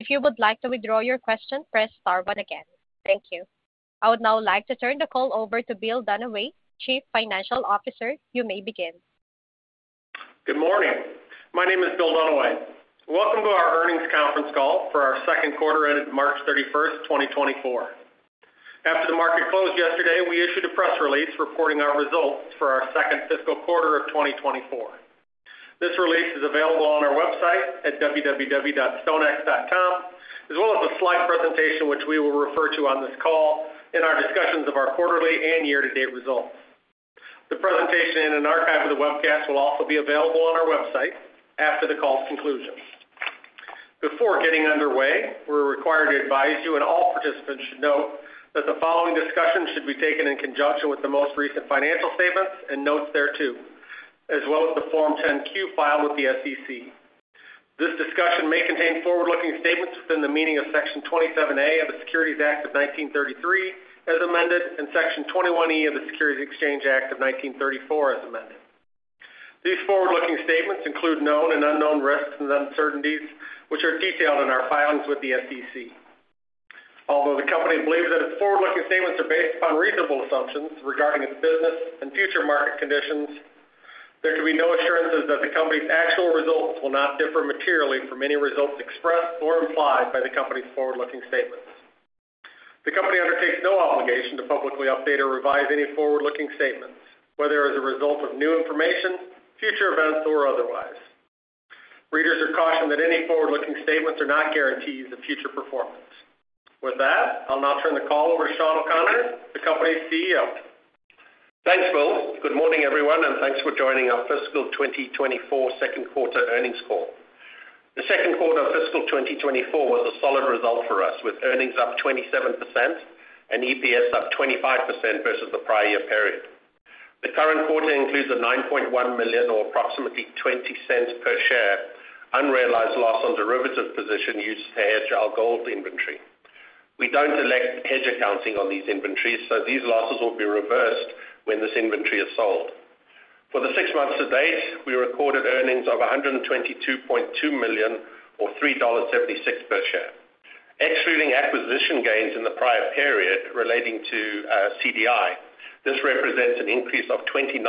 If you would like to withdraw your question, press star button again. Thank you. I would now like to turn the call over to Bill Dunaway, Chief Financial Officer. You may begin. Good morning. My name is Bill Dunaway. Welcome to our earnings conference call for our second quarter ended March 31, 2024. After the market closed yesterday, we issued a press release reporting our results for our second fiscal quarter of 2024. This release is available on our website at www.stonex.com, as well as a slide presentation which we will refer to on this call in our discussions of our quarterly and year-to-date results. The presentation in an archive of the webcast will also be available on our website after the call's conclusion. Before getting underway, we're required to advise you, and all participants should note, that the following discussion should be taken in conjunction with the most recent financial statements and notes thereto, as well as the Form 10-Q filed with the SEC. This discussion may contain forward-looking statements within the meaning of Section 27A of the Securities Act of 1933 as amended and Section 21E of the Securities Exchange Act of 1934 as amended. These forward-looking statements include known and unknown risks and uncertainties which are detailed in our filings with the SEC. Although the company believes that its forward-looking statements are based upon reasonable assumptions regarding its business and future market conditions, there can be no assurances that the company's actual results will not differ materially from any results expressed or implied by the company's forward-looking statements. The company undertakes no obligation to publicly update or revise any forward-looking statements, whether as a result of new information, future events, or otherwise. Readers are cautioned that any forward-looking statements are not guarantees of future performance. With that, I'll now turn the call over to Sean O'Connor, the company's CEO. Thanks, Bill. Good morning, everyone, and thanks for joining our fiscal 2024 second quarter earnings call. The second quarter of fiscal 2024 was a solid result for us, with earnings up 27% and EPS up 25% versus the prior year period. The current quarter includes a $9.1 million or approximately $0.20 per share unrealized loss on derivative position used to hedge our gold inventory. We don't elect hedge accounting on these inventories, so these losses will be reversed when this inventory is sold. For the six months to date, we recorded earnings of $122.2 million or $3.76 per share, excluding acquisition gains in the prior period relating to CDI. This represents an increase of 29%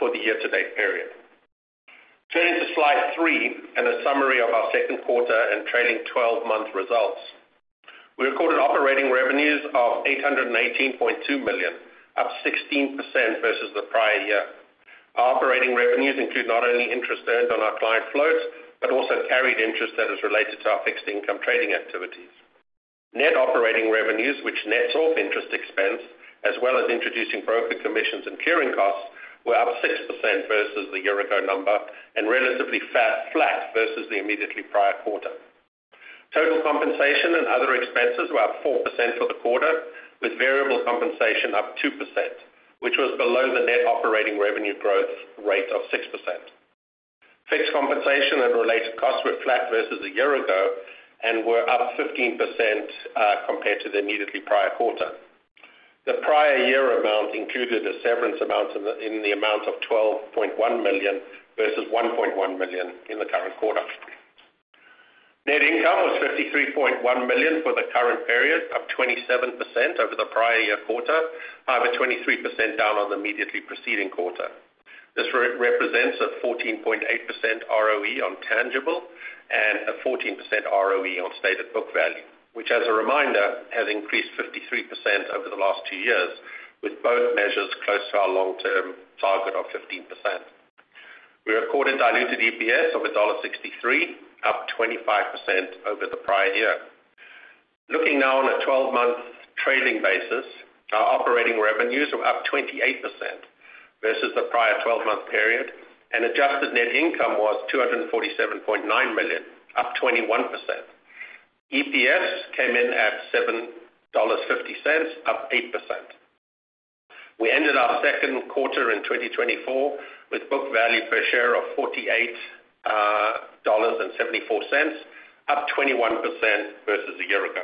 for the year-to-date period. Turning to slide 3 and a summary of our second quarter and trailing 12-month results. We recorded operating revenues of $818.2 million, up 16% versus the prior year. Our operating revenues include not only interest earned on our client floats but also carried interest that is related to our fixed income trading activities. Net operating revenues, which nets off interest expense as well as introducing broker commissions and clearing costs, were up 6% versus the year-ago number and relatively flat versus the immediately prior quarter. Total compensation and other expenses were up 4% for the quarter, with variable compensation up 2%, which was below the net operating revenue growth rate of 6%. Fixed compensation and related costs were flat versus a year ago and were up 15% compared to the immediately prior quarter. The prior year amount included a severance amount in the amount of $12.1 million versus $1.1 million in the current quarter. Net income was $53.1 million for the current period, up 27% over the prior year quarter, however 23% down on the immediately preceding quarter. This represents a 14.8% ROE on tangible and a 14% ROE on stated book value, which, as a reminder, has increased 53% over the last two years, with both measures close to our long-term target of 15%. We recorded diluted EPS of $1.63, up 25% over the prior year. Looking now on a 12-month trailing basis, our operating revenues were up 28% versus the prior 12-month period, and adjusted net income was $247.9 million, up 21%. EPS came in at $7.50, up 8%. We ended our second quarter in 2024 with book value per share of $48.74, up 21% versus a year ago.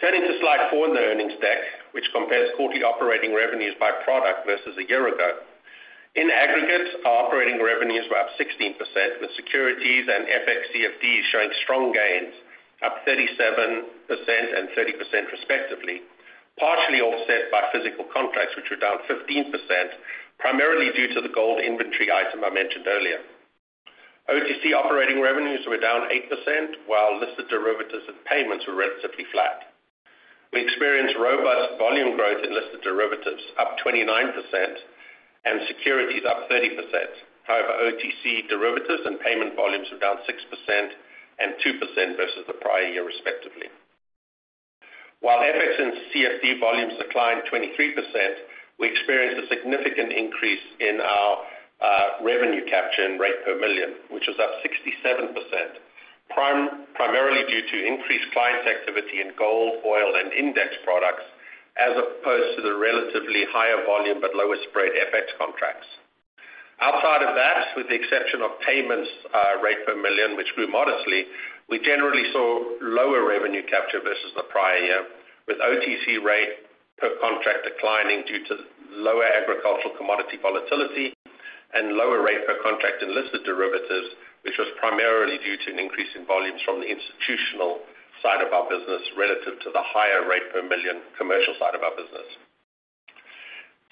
Turning to slide 4 in the earnings deck, which compares quarterly operating revenues by product versus a year ago. In aggregate, our operating revenues were up 16%, with securities and FX/CFDs showing strong gains, up 37% and 30% respectively, partially offset by physical contracts, which were down 15% primarily due to the gold inventory item I mentioned earlier. OTC operating revenues were down 8%, while listed derivatives and payments were relatively flat. We experienced robust volume growth in listed derivatives, up 29%, and securities, up 30%. However, OTC derivatives and payment volumes were down 6% and 2% versus the prior year respectively. While FX and CFD volumes declined 23%, we experienced a significant increase in our revenue capture and rate per million, which was up 67%, primarily due to increased clients' activity in gold, oil, and index products as opposed to the relatively higher volume but lower spread FX contracts. Outside of that, with the exception of payments rate per million, which grew modestly, we generally saw lower revenue capture versus the prior year, with OTC rate per contract declining due to lower agricultural commodity volatility and lower rate per contract in listed derivatives, which was primarily due to an increase in volumes from the institutional side of our business relative to the higher rate per million commercial side of our business.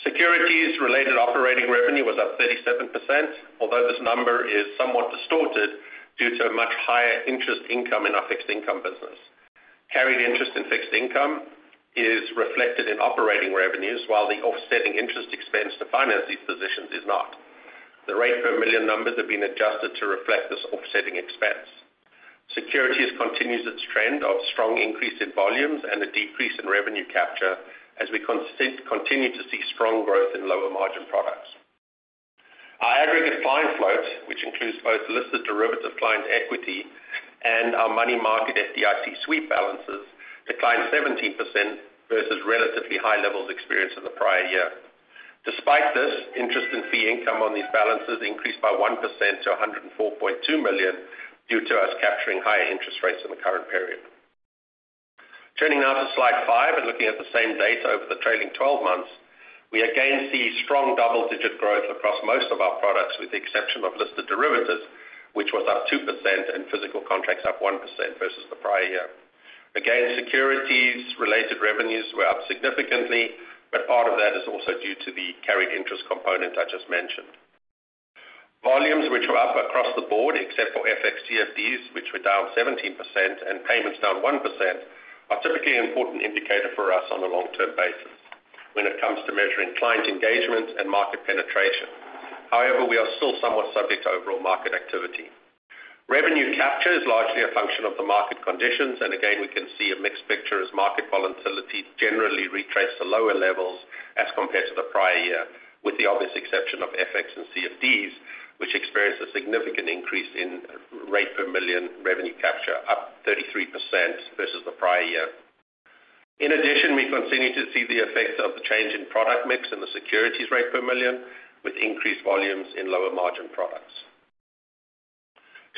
Securities-related operating revenue was up 37%, although this number is somewhat distorted due to a much higher interest income in our fixed income business. Carried interest in fixed income is reflected in operating revenues, while the offsetting interest expense to finance these positions is not. The rate per million numbers have been adjusted to reflect this offsetting expense. Securities continues its trend of strong increase in volumes and a decrease in revenue capture as we continue to see strong growth in lower margin products. Our aggregate client floats, which includes both listed derivative client equity and our money market FDIC sweep balances, declined 17% versus relatively high levels experienced in the prior year. Despite this, interest and fee income on these balances increased by 1% to $104.2 million due to us capturing higher interest rates in the current period. Turning now to slide 5 and looking at the same data over the trailing 12 months, we again see strong double-digit growth across most of our products, with the exception of listed derivatives, which was up 2% and physical contracts up 1% versus the prior year. Again, securities-related revenues were up significantly, but part of that is also due to the carried interest component I just mentioned. Volumes, which were up across the board except for FX/CFDs, which were down 17%, and payments down 1%, are typically an important indicator for us on a long-term basis when it comes to measuring client engagement and market penetration. However, we are still somewhat subject to overall market activity. Revenue capture is largely a function of the market conditions, and again, we can see a mixed picture as market volatility generally retraced to lower levels as compared to the prior year, with the obvious exception of FX and CFDs, which experienced a significant increase in rate per million revenue capture, up 33% versus the prior year. In addition, we continue to see the effects of the change in product mix in the securities rate per million, with increased volumes in lower margin products.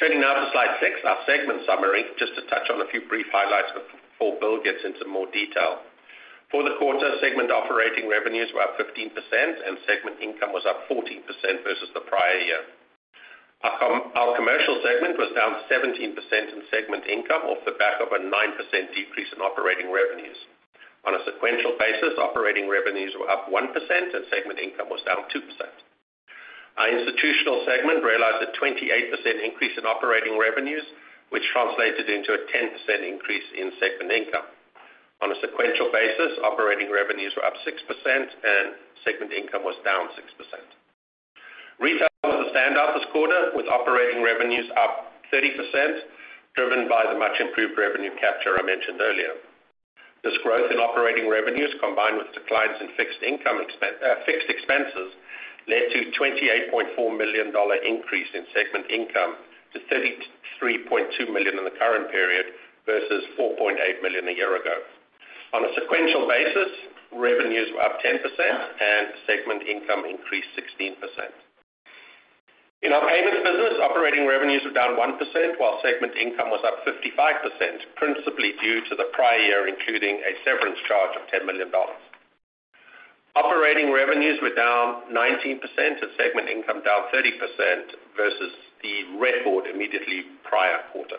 Turning now to slide 6, our segment summary, just to touch on a few brief highlights before Bill gets into more detail. For the quarter, segment operating revenues were up 15%, and segment income was up 14% versus the prior year. Our commercial segment was down 17% in segment income off the back of a 9% decrease in operating revenues. On a sequential basis, operating revenues were up 1%, and segment income was down 2%. Our institutional segment realized a 28% increase in operating revenues, which translated into a 10% increase in segment income. On a sequential basis, operating revenues were up 6%, and segment income was down 6%. Retail was a standout this quarter, with operating revenues up 30% driven by the much-improved revenue capture I mentioned earlier. This growth in operating revenues, combined with declines in fixed expenses, led to a $28.4 million increase in segment income to $33.2 million in the current period versus $4.8 million a year ago. On a sequential basis, revenues were up 10%, and segment income increased 16%. In our payments business, operating revenues were down 1%, while segment income was up 55%, principally due to the prior year including a severance charge of $10 million. Operating revenues were down 19%, and segment income down 30% versus the record immediately prior quarter.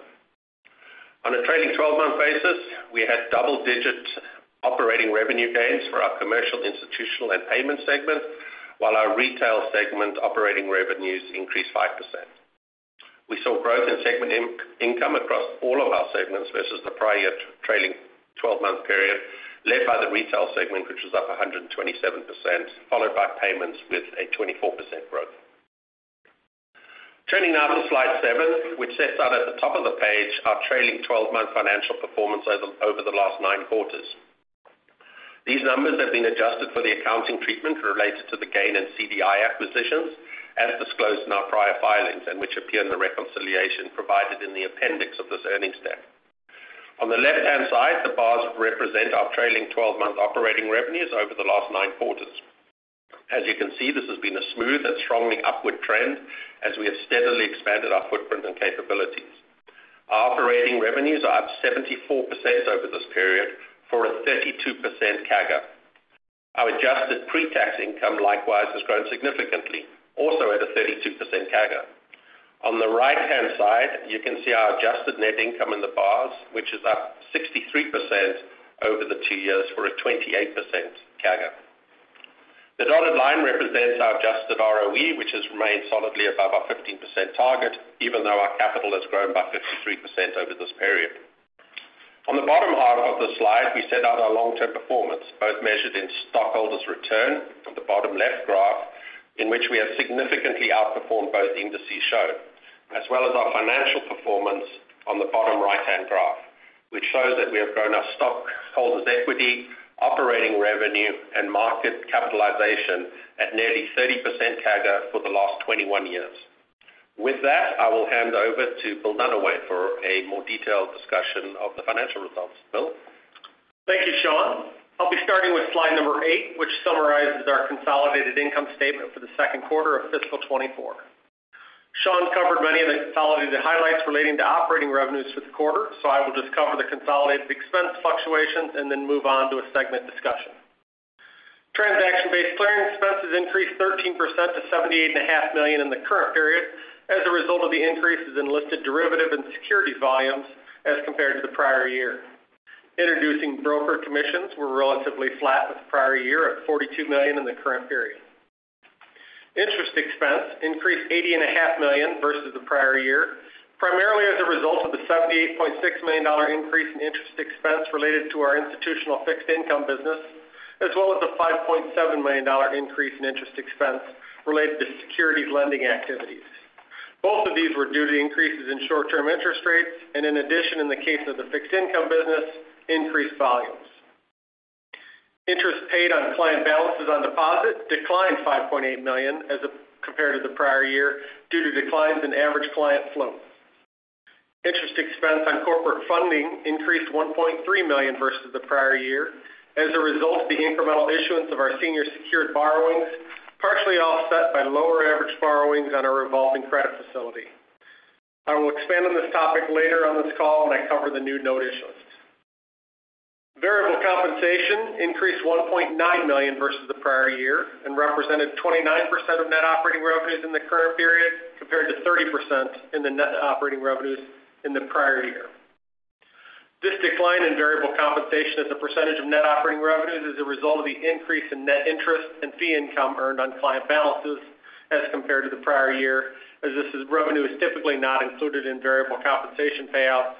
On a trailing 12-month basis, we had double-digit operating revenue gains for our commercial, institutional, and payments segments, while our retail segment operating revenues increased 5%. We saw growth in segment income across all of our segments versus the prior trailing 12-month period, led by the retail segment, which was up 127%, followed by payments with a 24% growth. Turning now to slide 7, which sets out at the top of the page our trailing 12-month financial performance over the last nine quarters. These numbers have been adjusted for the accounting treatment related to the GAIN in CDI acquisitions as disclosed in our prior filings and which appear in the reconciliation provided in the appendix of this earnings deck. On the left-hand side, the bars represent our trailing 12-month operating revenues over the last nine quarters. As you can see, this has been a smooth and strongly upward trend as we have steadily expanded our footprint and capabilities. Our operating revenues are up 74% over this period for a 32% CAGR. Our adjusted pre-tax income likewise has grown significantly, also at a 32% CAGR. On the right-hand side, you can see our adjusted net income in the bars, which is up 63% over the two years for a 28% CAGR. The dotted line represents our adjusted ROE, which has remained solidly above our 15% target even though our capital has grown by 53% over this period. On the bottom half of the slide, we set out our long-term performance, both measured in stockholders' return on the bottom left graph, in which we have significantly outperformed both indices shown, as well as our financial performance on the bottom right-hand graph, which shows that we have grown our stockholders' equity, operating revenue, and market capitalization at nearly 30% CAGR for the last 21 years. With that, I will hand over to Bill Dunaway for a more detailed discussion of the financial results, Bill. Thank you, Sean. I'll be starting with slide number 8, which summarizes our consolidated income statement for the second quarter of fiscal 2024. Sean covered many of the consolidated highlights relating to operating revenues for the quarter, so I will just cover the consolidated expense fluctuations and then move on to a segment discussion. Transaction-based clearing expenses increased 13% to $78.5 million in the current period as a result of the increases in listed derivative and securities volumes as compared to the prior year. Introducing broker commissions were relatively flat with the prior year at $42 million in the current period. Interest expense increased $80.5 million versus the prior year, primarily as a result of the $78.6 million increase in interest expense related to our institutional fixed income business as well as the $5.7 million increase in interest expense related to securities lending activities. Both of these were due to increases in short-term interest rates and, in addition, in the case of the fixed income business, increased volumes. Interest paid on client balances on deposit declined $5.8 million as compared to the prior year due to declines in average client floats. Interest expense on corporate funding increased $1.3 million versus the prior year as a result of the incremental issuance of our senior secured borrowings, partially offset by lower average borrowings on our revolving credit facility. I will expand on this topic later on this call when I cover the new note issuance. Variable compensation increased $1.9 million versus the prior year and represented 29% of net operating revenues in the current period compared to 30% in the net operating revenues in the prior year. This decline in variable compensation as a percentage of net operating revenues is a result of the increase in net interest and fee income earned on client balances as compared to the prior year, as this revenue is typically not included in variable compensation payouts,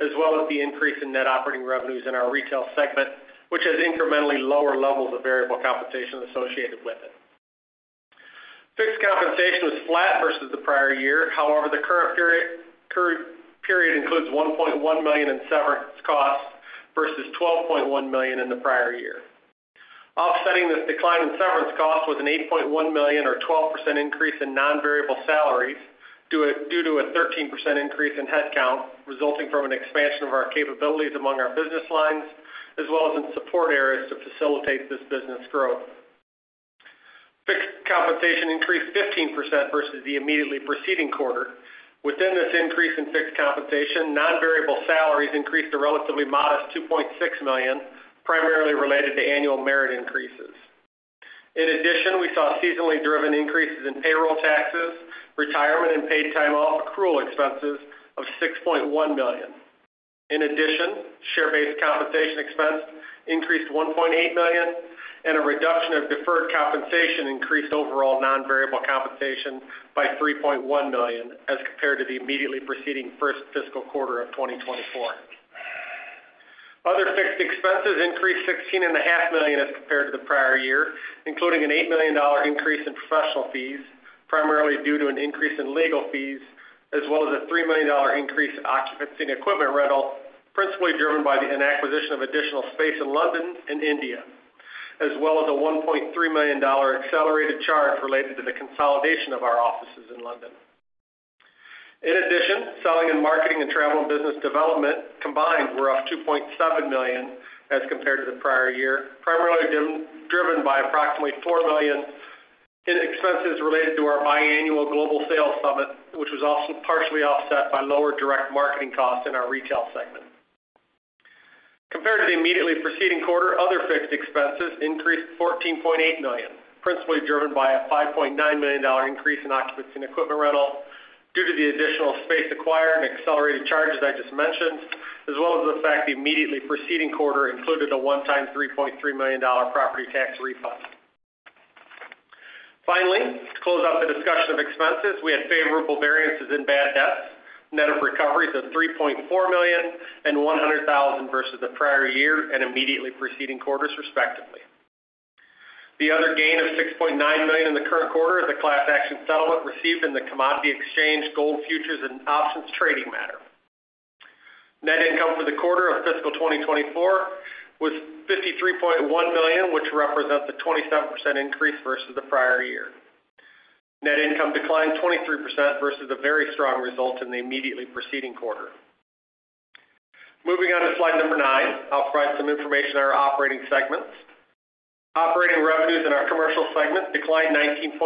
as well as the increase in net operating revenues in our retail segment, which has incrementally lower levels of variable compensation associated with it. Fixed compensation was flat versus the prior year. However, the current period includes $1.1 million in severance costs versus $12.1 million in the prior year. Offsetting this decline in severance costs was an $8.1 million or 12% increase in non-variable salaries due to a 13% increase in headcount resulting from an expansion of our capabilities among our business lines as well as in support areas to facilitate this business growth. Fixed compensation increased 15% versus the immediately preceding quarter. Within this increase in fixed compensation, non-variable salaries increased to relatively modest $2.6 million, primarily related to annual merit increases. In addition, we saw seasonally driven increases in payroll taxes, retirement, and paid time off accrual expenses of $6.1 million. In addition, share-based compensation expense increased $1.8 million, and a reduction of deferred compensation increased overall non-variable compensation by $3.1 million as compared to the immediately preceding first fiscal quarter of 2024. Other fixed expenses increased $16.5 million as compared to the prior year, including an $8 million increase in professional fees, primarily due to an increase in legal fees, as well as a $3 million increase in occupancy and equipment rental, principally driven by the acquisition of additional space in London and India, as well as a $1.3 million accelerated charge related to the consolidation of our offices in London. In addition, selling and marketing and travel and business development combined were up $2.7 million as compared to the prior year, primarily driven by approximately $4 million in expenses related to our biannual global sales summit, which was also partially offset by lower direct marketing costs in our retail segment. Compared to the immediately preceding quarter, other fixed expenses increased $14.8 million, principally driven by a $5.9 million increase in occupancy equipment rental due to the additional space acquired and accelerated charges I just mentioned, as well as the fact that the immediately preceding quarter included a one-time $3.3 million property tax refund. Finally, to close out the discussion of expenses, we had favorable variances in bad debts, net of recoveries of $3.4 million and $100,000 versus the prior year and immediately preceding quarters respectively. The other gain of $6.9 million in the current quarter is a class action settlement received in the commodity exchange gold futures and options trading matter. Net income for the quarter of fiscal 2024 was $53.1 million, which represents a 27% increase versus the prior year. Net income declined 23% versus a very strong result in the immediately preceding quarter. Moving on to slide number 9, I'll provide some information on our operating segments. Operating revenues in our commercial segment declined $19.6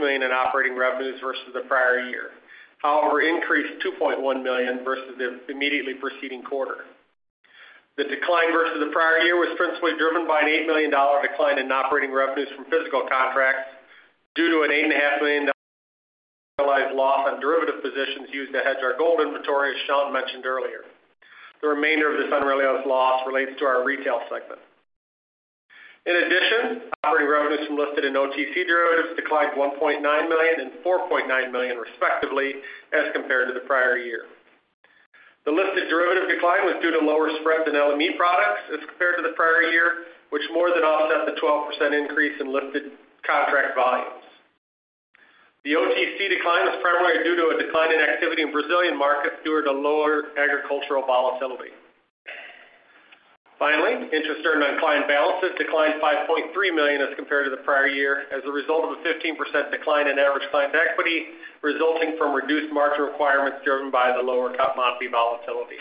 million in operating revenues versus the prior year. However, increased $2.1 million versus the immediately preceding quarter. The decline versus the prior year was principally driven by an $8 million decline in operating revenues from physical contracts due to an $8.5 million realized loss on derivative positions used to hedge our gold inventory, as Sean mentioned earlier. The remainder of this unrealized loss relates to our retail segment. In addition, operating revenues from listed and OTC derivatives declined $1.9 million and $4.9 million respectively as compared to the prior year. The listed derivative decline was due to lower spreads in LME products as compared to the prior year, which more than offset the 12% increase in listed contract volumes. The OTC decline was primarily due to a decline in activity in Brazilian markets due to lower agricultural volatility. Finally, interest earned on client balances declined $5.3 million as compared to the prior year as a result of a 15% decline in average client equity resulting from reduced margin requirements driven by the lower COTMOPE volatility.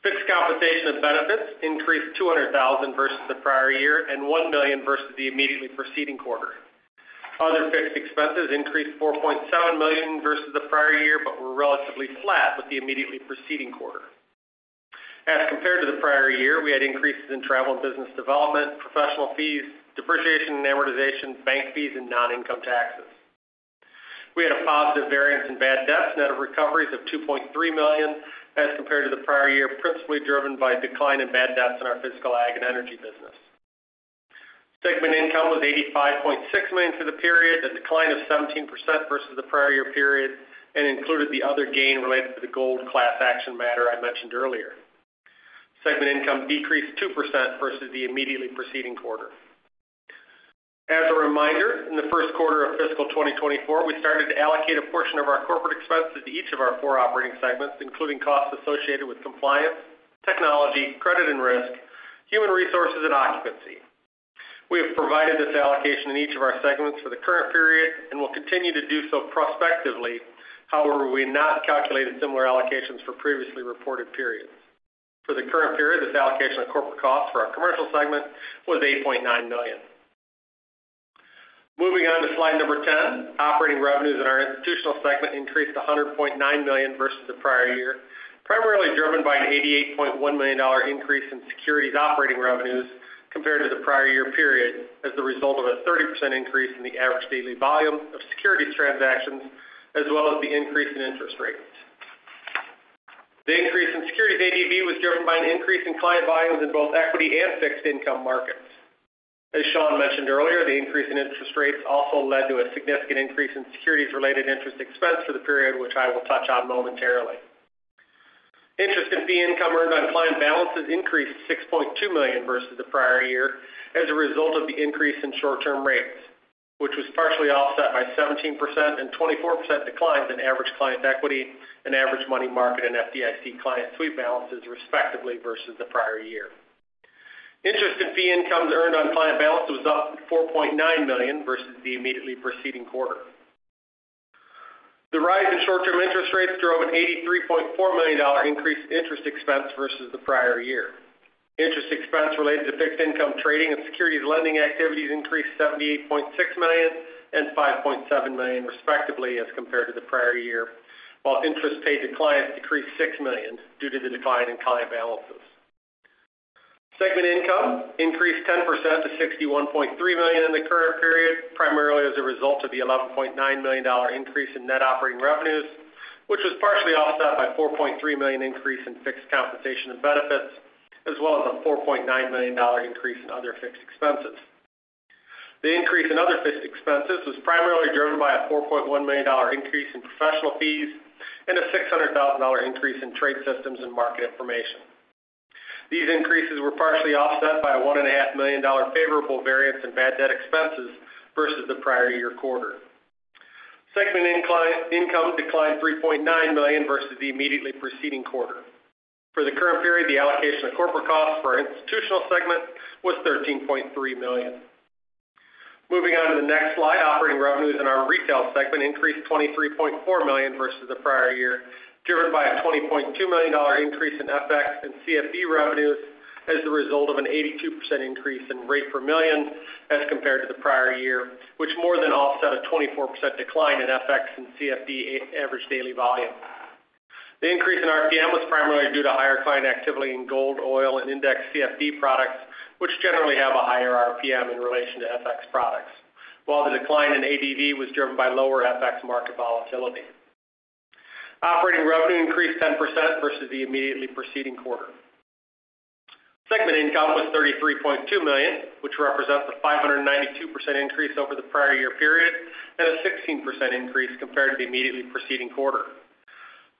Fixed compensation and benefits increased $200,000 versus the prior year and $1 million versus the immediately preceding quarter. Other fixed expenses increased $4.7 million versus the prior year but were relatively flat with the immediately preceding quarter. As compared to the prior year, we had increases in travel and business development, professional fees, depreciation and amortization, bank fees, and non-income taxes. We had a positive variance in bad debts, net of recoveries of $2.3 million as compared to the prior year, principally driven by decline in bad debts in our physical ag and energy business. Segment income was $85.6 million for the period, a decline of 17% versus the prior year period, and included the other gain related to the gold class action matter I mentioned earlier. Segment income decreased 2% versus the immediately preceding quarter. As a reminder, in the first quarter of fiscal 2024, we started to allocate a portion of our corporate expenses to each of our four operating segments, including costs associated with compliance, technology, credit and risk, human resources, and occupancy. We have provided this allocation in each of our segments for the current period and will continue to do so prospectively. However, we have not calculated similar allocations for previously reported periods. For the current period, this allocation of corporate costs for our commercial segment was $8.9 million. Moving on to slide number 10, operating revenues in our institutional segment increased $100.9 million versus the prior year, primarily driven by an $88.1 million increase in securities operating revenues compared to the prior year period as the result of a 30% increase in the average daily volume of securities transactions as well as the increase in interest rates. The increase in securities ADV was driven by an increase in client volumes in both equity and fixed income markets. As Sean mentioned earlier, the increase in interest rates also led to a significant increase in securities-related interest expense for the period, which I will touch on momentarily. Interest and fee income earned on client balances increased $6.2 million versus the prior year as a result of the increase in short-term rates, which was partially offset by 17% and 24% declines in average client equity and average money market and FDIC client sweep balances respectively versus the prior year. Interest and fee income earned on client balances was up $4.9 million versus the immediately preceding quarter. The rise in short-term interest rates drove an $83.4 million increase in interest expense versus the prior year. Interest expense related to fixed income trading and securities lending activities increased $78.6 million and $5.7 million respectively as compared to the prior year, while interest paid to clients decreased $6 million due to the decline in client balances. Segment income increased 10% to $61.3 million in the current period, primarily as a result of the $11.9 million increase in net operating revenues, which was partially offset by a $4.3 million increase in fixed compensation and benefits as well as a $4.9 million increase in other fixed expenses. The increase in other fixed expenses was primarily driven by a $4.1 million increase in professional fees and a $600,000 increase in trade systems and market information. These increases were partially offset by a $1.5 million favorable variance in bad debt expenses versus the prior year quarter. Segment income declined $3.9 million versus the immediately preceding quarter. For the current period, the allocation of corporate costs for our institutional segment was $13.3 million. Moving on to the next slide, operating revenues in our retail segment increased $23.4 million versus the prior year driven by a $20.2 million increase in FX and CFD revenues as the result of an 82% increase in rate per million as compared to the prior year, which more than offset a 24% decline in FX and CFD average daily volume. The increase in RPM was primarily due to higher client activity in gold, oil, and index CFD products, which generally have a higher RPM in relation to FX products, while the decline in ADV was driven by lower FX market volatility. Operating revenue increased 10% versus the immediately preceding quarter. Segment income was $33.2 million, which represents a 592% increase over the prior year period and a 16% increase compared to the immediately preceding quarter.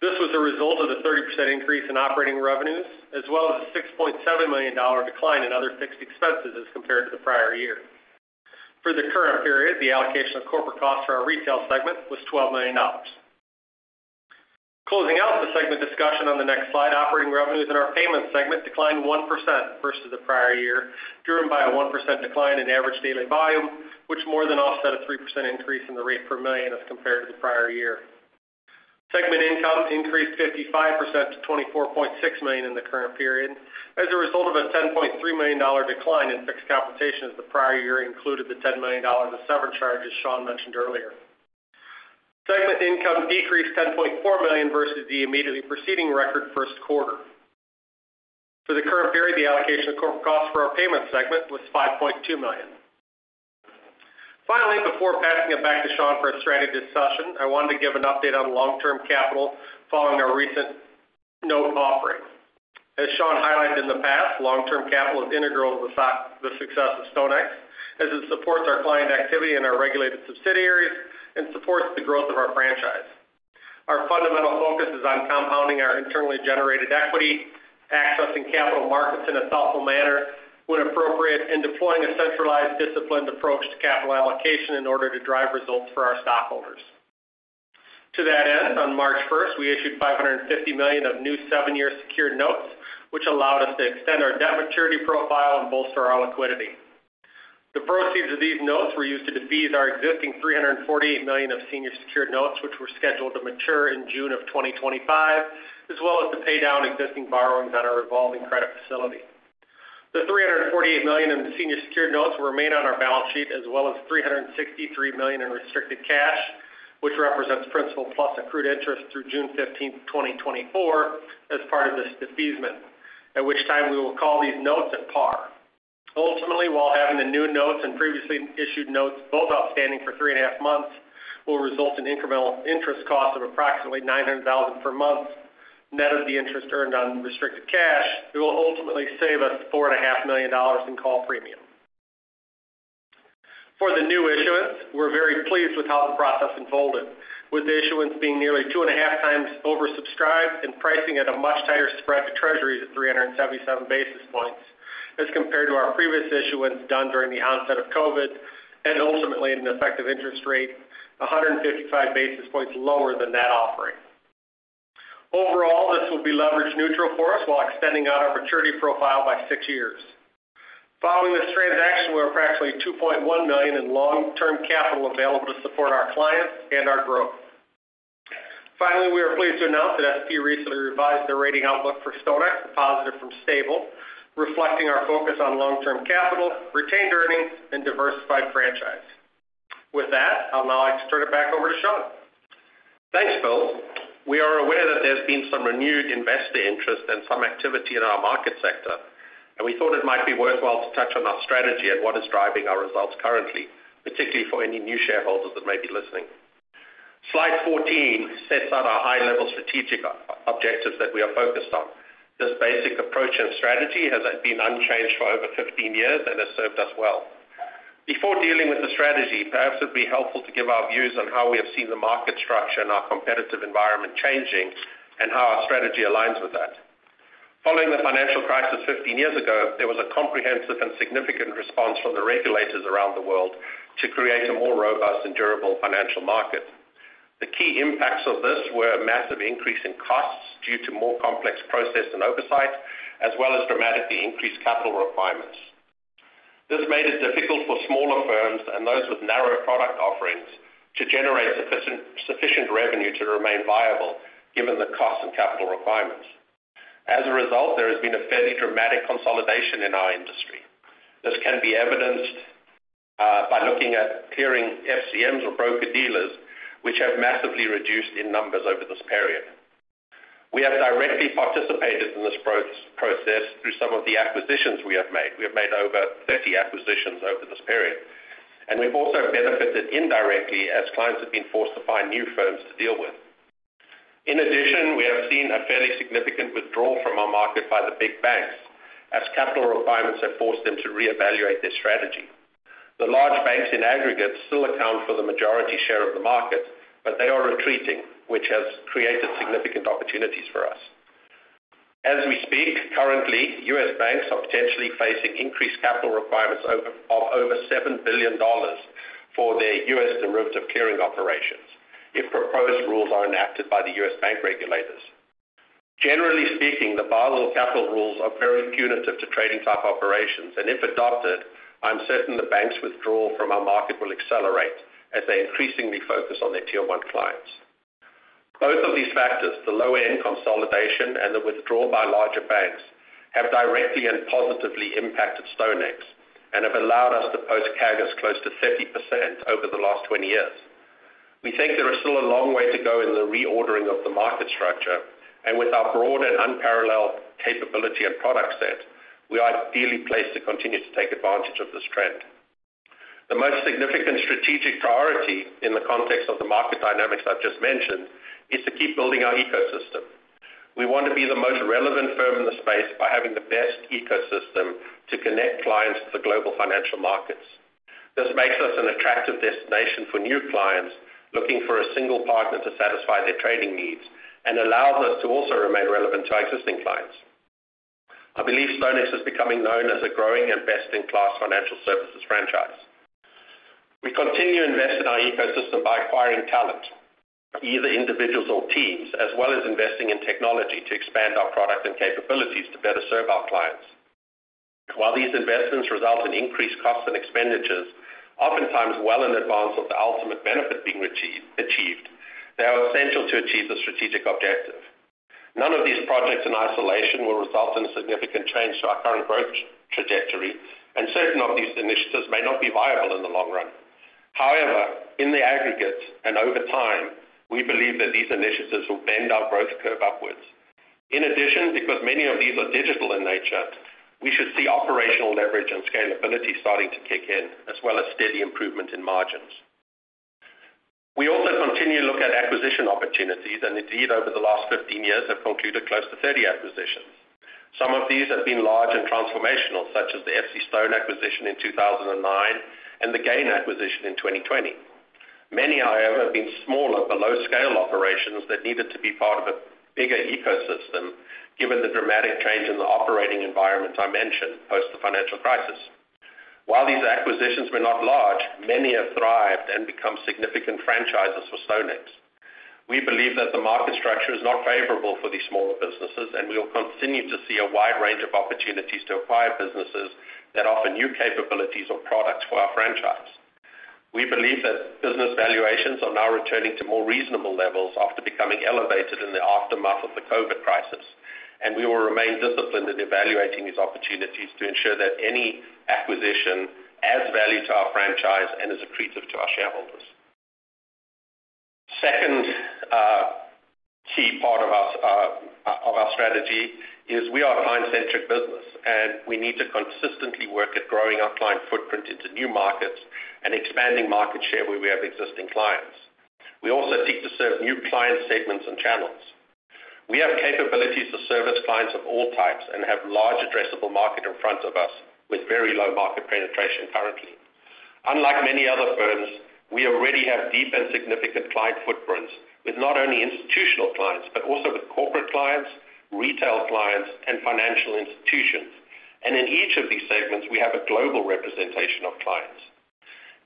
This was a result of the 30% increase in operating revenues as well as a $6.7 million decline in other fixed expenses as compared to the prior year. For the current period, the allocation of corporate costs for our retail segment was $12 million. Closing out the segment discussion on the next slide, operating revenues in our payments segment declined 1% versus the prior year driven by a 1% decline in average daily volume, which more than offset a 3% increase in the rate per million as compared to the prior year. Segment income increased 55% to $24.6 million in the current period as a result of a $10.3 million decline in fixed compensation as the prior year included the $10 million of severance charges Sean mentioned earlier. Segment income decreased $10.4 million versus the immediately preceding record first quarter. For the current period, the allocation of corporate costs for our payments segment was $5.2 million. Finally, before passing it back to Sean for a strategy discussion, I wanted to give an update on long-term capital following our recent note offering. As Sean highlighted in the past, long-term capital is integral to the success of StoneX as it supports our client activity in our regulated subsidiaries and supports the growth of our franchise. Our fundamental focus is on compounding our internally generated equity, accessing capital markets in a thoughtful manner when appropriate, and deploying a centralized disciplined approach to capital allocation in order to drive results for our stockholders. To that end, on March 1st, we issued $550 million of new seven-year secured notes, which allowed us to extend our debt maturity profile and bolster our liquidity. The proceeds of these notes were used to defease our existing $348 million of senior secured notes, which were scheduled to mature in June 2025, as well as to pay down existing borrowings on our revolving credit facility. The $348 million in the senior secured notes will remain on our balance sheet as well as $363 million in restricted cash, which represents principal plus accrued interest through June 15, 2024, as part of this defeasance, at which time we will call these notes at par. Ultimately, while having the new notes and previously issued notes both outstanding for 3.5 months will result in incremental interest costs of approximately $900,000 per month net of the interest earned on restricted cash, it will ultimately save us $4.5 million in call premium. For the new issuance, we're very pleased with how the process unfolded, with the issuance being nearly 2.5 times oversubscribed and pricing at a much tighter spread to Treasuries at 377 basis points as compared to our previous issuance done during the onset of COVID and ultimately an effective interest rate 155 basis points lower than that offering. Overall, this will be leverage neutral for us while extending out our maturity profile by 6 years. Following this transaction, we have approximately $2.1 million in long-term capital available to support our clients and our growth. Finally, we are pleased to announce that S&P recently revised their rating outlook for StoneX, positive from stable, reflecting our focus on long-term capital, retained earnings, and diversified franchise. With that, I'll now turn it back over to Sean. Thanks, Bill. We are aware that there's been some renewed investor interest and some activity in our market sector, and we thought it might be worthwhile to touch on our strategy and what is driving our results currently, particularly for any new shareholders that may be listening. Slide 14 sets out our high-level strategic objectives that we are focused on. This basic approach and strategy has been unchanged for over 15 years and has served us well. Before dealing with the strategy, perhaps it'd be helpful to give our views on how we have seen the market structure and our competitive environment changing and how our strategy aligns with that. Following the financial crisis 15 years ago, there was a comprehensive and significant response from the regulators around the world to create a more robust and durable financial market. The key impacts of this were a massive increase in costs due to more complex process and oversight as well as dramatically increased capital requirements. This made it difficult for smaller firms and those with narrow product offerings to generate sufficient revenue to remain viable given the costs and capital requirements. As a result, there has been a fairly dramatic consolidation in our industry. This can be evidenced by looking at clearing FCMs or broker-dealers, which have massively reduced in numbers over this period. We have directly participated in this process through some of the acquisitions we have made. We have made over 30 acquisitions over this period, and we've also benefited indirectly as clients have been forced to find new firms to deal with. In addition, we have seen a fairly significant withdrawal from our market by the big banks as capital requirements have forced them to reevaluate their strategy. The large banks in aggregate still account for the majority share of the market, but they are retreating, which has created significant opportunities for us. As we speak, currently, U.S. banks are potentially facing increased capital requirements of over $7 billion for their U.S. derivative clearing operations if proposed rules are enacted by the U.S. bank regulators. Generally speaking, the bilateral capital rules are very punitive to trading-type operations, and if adopted, I'm certain the banks' withdrawal from our market will accelerate as they increasingly focus on their Tier 1 clients. Both of these factors, the lower-end consolidation and the withdrawal by larger banks, have directly and positively impacted StoneX and have allowed us to post CAGRs close to 30% over the last 20 years. We think there is still a long way to go in the reordering of the market structure, and with our broad and unparalleled capability and product set, we are ideally placed to continue to take advantage of this trend. The most significant strategic priority in the context of the market dynamics I've just mentioned is to keep building our ecosystem. We want to be the most relevant firm in the space by having the best ecosystem to connect clients to the global financial markets. This makes us an attractive destination for new clients looking for a single partner to satisfy their trading needs and allows us to also remain relevant to our existing clients. I believe StoneX is becoming known as a growing and best-in-class financial services franchise. We continue to invest in our ecosystem by acquiring talent, either individuals or teams, as well as investing in technology to expand our product and capabilities to better serve our clients. While these investments result in increased costs and expenditures, oftentimes well in advance of the ultimate benefit being achieved, they are essential to achieve the strategic objective. None of these projects in isolation will result in a significant change to our current growth trajectory, and certain of these initiatives may not be viable in the long run. However, in the aggregate and over time, we believe that these initiatives will bend our growth curve upwards. In addition, because many of these are digital in nature, we should see operational leverage and scalability starting to kick in as well as steady improvement in margins. We also continue to look at acquisition opportunities, and indeed, over the last 15 years, have concluded close to 30 acquisitions. Some of these have been large and transformational, such as the FCStone acquisition in 2009 and the Gain acquisition in 2020. Many, however, have been smaller but small-scale operations that needed to be part of a bigger ecosystem given the dramatic change in the operating environment I mentioned post the financial crisis. While these acquisitions were not large, many have thrived and become significant franchises for StoneX. We believe that the market structure is not favorable for these smaller businesses, and we will continue to see a wide range of opportunities to acquire businesses that offer new capabilities or products for our franchise. We believe that business valuations are now returning to more reasonable levels after becoming elevated in the aftermath of the COVID crisis, and we will remain disciplined in evaluating these opportunities to ensure that any acquisition adds value to our franchise and is accretive to our shareholders. Second key part of our strategy is we are a client-centric business, and we need to consistently work at growing our client footprint into new markets and expanding market share where we have existing clients. We also seek to serve new client segments and channels. We have capabilities to service clients of all types and have large addressable market in front of us with very low market penetration currently. Unlike many other firms, we already have deep and significant client footprints with not only institutional clients but also with corporate clients, retail clients, and financial institutions. In each of these segments, we have a global representation of clients.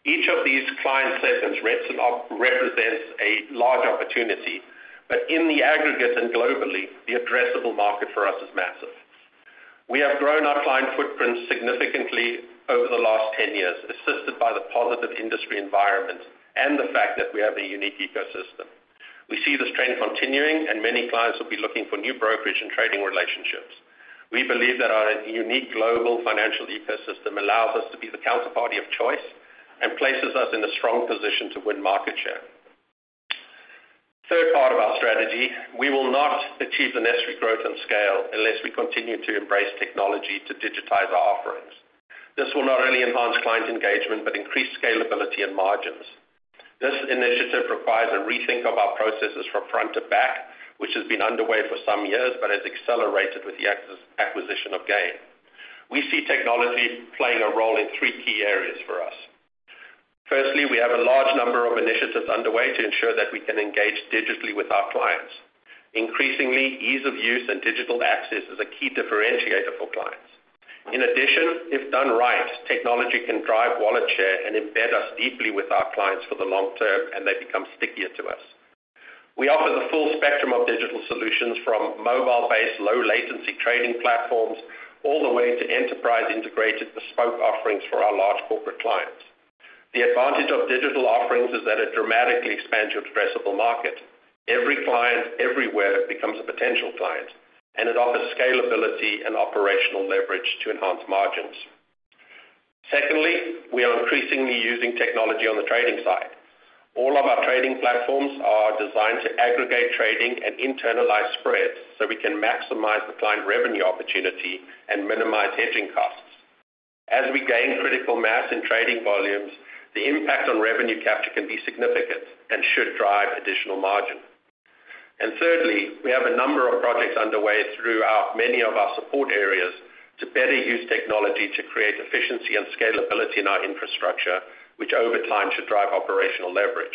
Each of these client segments represents a large opportunity, but in the aggregate and globally, the addressable market for us is massive. We have grown our client footprint significantly over the last 10 years, assisted by the positive industry environment and the fact that we have a unique ecosystem. We see this trend continuing, and many clients will be looking for new brokerage and trading relationships. We believe that our unique global financial ecosystem allows us to be the counterparty of choice and places us in a strong position to win market share. Third part of our strategy, we will not achieve the necessary growth and scale unless we continue to embrace technology to digitize our offerings. This will not only enhance client engagement but increase scalability and margins. This initiative requires a rethink of our processes from front to back, which has been underway for some years but has accelerated with the acquisition of Gain. We see technology playing a role in three key areas for us. Firstly, we have a large number of initiatives underway to ensure that we can engage digitally with our clients. Increasingly, ease of use and digital access is a key differentiator for clients. In addition, if done right, technology can drive wallet share and embed us deeply with our clients for the long term, and they become stickier to us. We offer the full spectrum of digital solutions from mobile-based low-latency trading platforms all the way to enterprise-integrated bespoke offerings for our large corporate clients. The advantage of digital offerings is that it dramatically expands your addressable market. Every client everywhere becomes a potential client, and it offers scalability and operational leverage to enhance margins. Secondly, we are increasingly using technology on the trading side. All of our trading platforms are designed to aggregate trading and internalize spreads so we can maximize the client revenue opportunity and minimize hedging costs. As we gain critical mass in trading volumes, the impact on revenue capture can be significant and should drive additional margin. Thirdly, we have a number of projects underway through many of our support areas to better use technology to create efficiency and scalability in our infrastructure, which over time should drive operational leverage.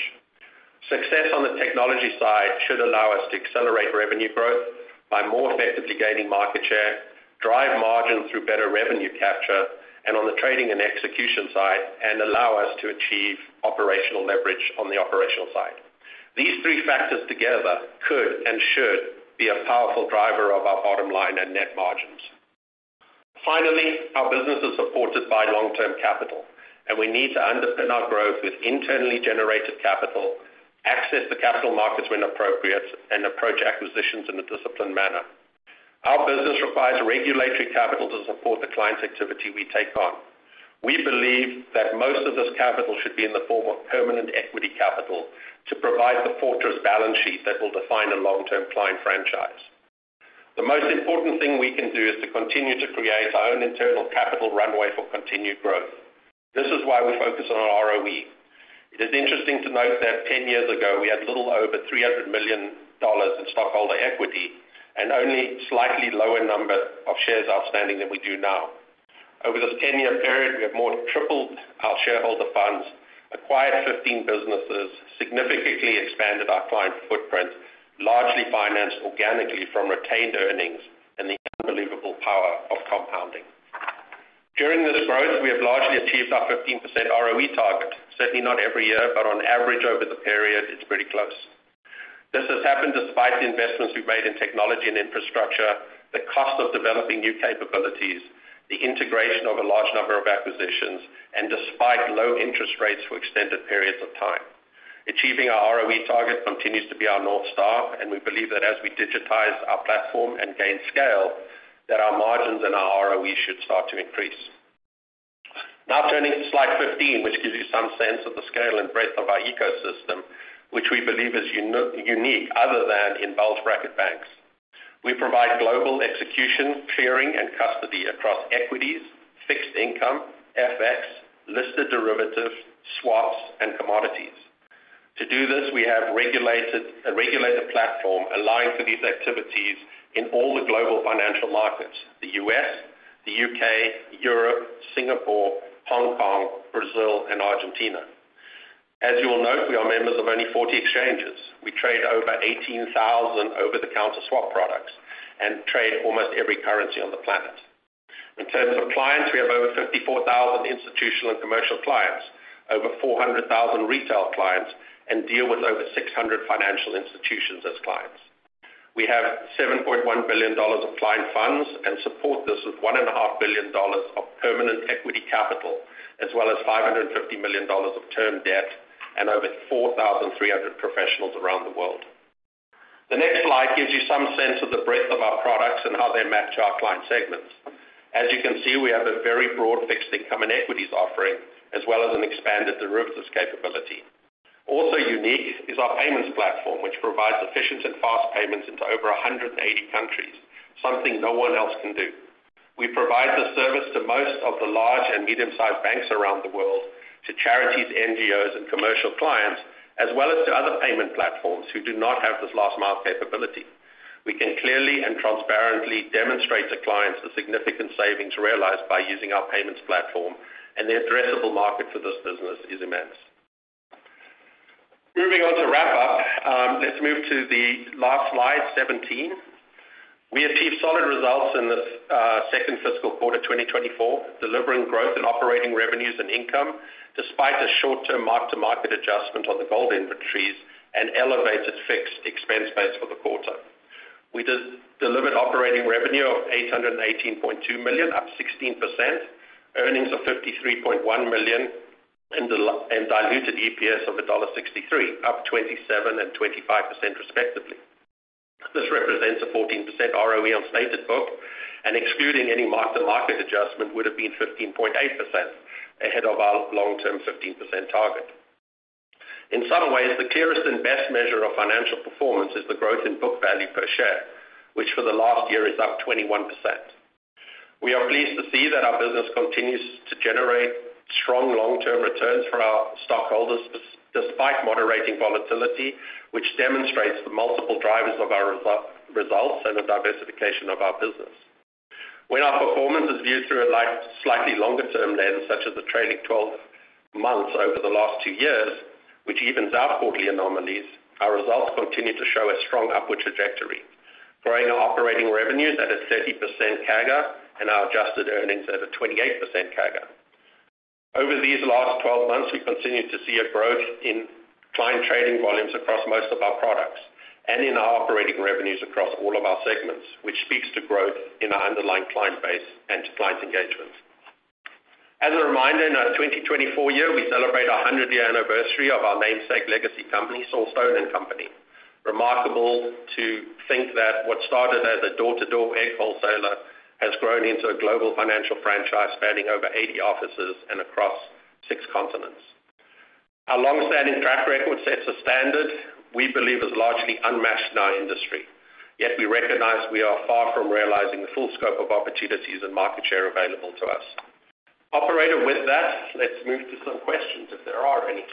Success on the technology side should allow us to accelerate revenue growth by more effectively gaining market share, drive margins through better revenue capture, and on the trading and execution side, allow us to achieve operational leverage on the operational side. These three factors together could and should be a powerful driver of our bottom line and net margins. Finally, our business is supported by long-term capital, and we need to underpin our growth with internally generated capital, access the capital markets when appropriate, and approach acquisitions in a disciplined manner. Our business requires regulatory capital to support the clients' activity we take on. We believe that most of this capital should be in the form of permanent equity capital to provide the fortress balance sheet that will define a long-term client franchise. The most important thing we can do is to continue to create our own internal capital runway for continued growth. This is why we focus on our ROE. It is interesting to note that 10 years ago, we had little over $300 million in stockholder equity and only a slightly lower number of shares outstanding than we do now. Over this 10-year period, we have more than tripled our shareholder funds, acquired 15 businesses, significantly expanded our client footprint, largely financed organically from retained earnings, and the unbelievable power of compounding. During this growth, we have largely achieved our 15% ROE target. Certainly not every year, but on average over the period, it's pretty close. This has happened despite the investments we've made in technology and infrastructure, the cost of developing new capabilities, the integration of a large number of acquisitions, and despite low interest rates for extended periods of time. Achieving our ROE target continues to be our north star, and we believe that as we digitize our platform and gain scale, that our margins and our ROE should start to increase. Now turning to slide 15, which gives you some sense of the scale and breadth of our ecosystem, which we believe is unique other than in bulge-bracket banks. We provide global execution, clearing, and custody across equities, fixed income, FX, listed derivatives, swaps, and commodities. To do this, we have a regulated platform aligned to these activities in all the global financial markets: the U.S., the U.K., Europe, Singapore, Hong Kong, Brazil, and Argentina. As you will note, we are members of only 40 exchanges. We trade over 18,000 over-the-counter swap products and trade almost every currency on the planet. In terms of clients, we have over 54,000 institutional and commercial clients, over 400,000 retail clients, and deal with over 600 financial institutions as clients. We have $7.1 billion of client funds and support this with $1.5 billion of permanent equity capital as well as $550 million of term debt and over 4,300 professionals around the world. The next slide gives you some sense of the breadth of our products and how they match our client segments. As you can see, we have a very broad fixed income and equities offering as well as an expanded derivatives capability. Also unique is our payments platform, which provides efficient and fast payments into over 180 countries, something no one else can do. We provide this service to most of the large and medium-sized banks around the world, to charities, NGOs, and commercial clients, as well as to other payment platforms who do not have this last-mile capability. We can clearly and transparently demonstrate to clients the significant savings realized by using our payments platform, and the addressable market for this business is immense. Moving on to wrap up, let's move to the last slide, 17. We achieved solid results in this second fiscal quarter 2024, delivering growth in operating revenues and income despite a short-term mark-to-market adjustment on the gold inventories and elevated fixed expense base for the quarter. We delivered operating revenue of $818.2 million, up 16%, earnings of $53.1 million, and diluted EPS of $1.63, up 27% and 25% respectively. This represents a 14% ROE on stated book, and excluding any mark-to-market adjustment, would have been 15.8% ahead of our long-term 15% target. In some ways, the clearest and best measure of financial performance is the growth in book value per share, which for the last year is up 21%. We are pleased to see that our business continues to generate strong long-term returns for our stockholders despite moderating volatility, which demonstrates the multiple drivers of our results and the diversification of our business. When our performance is viewed through a slightly longer-term lens, such as the trailing 12 months over the last two years, which evens out quarterly anomalies, our results continue to show a strong upward trajectory, growing our operating revenues at a 30% CAGR and our adjusted earnings at a 28% CAGR. Over these last 12 months, we continue to see a growth in client trading volumes across most of our products and in our operating revenues across all of our segments, which speaks to growth in our underlying client base and clients' engagements. As a reminder, in our 2024 year, we celebrate our 100-year anniversary of our namesake legacy companies, Saul Stone & Company. Remarkable to think that what started as a door-to-door egg wholesaler has grown into a global financial franchise spanning over 80 offices and across six continents. Our longstanding track record sets a standard we believe is largely unmatched in our industry, yet we recognize we are far from realizing the full scope of opportunities and market share available to us. Operator with that, let's move to some questions, if there are any.